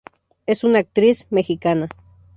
Es una actriz mexicana.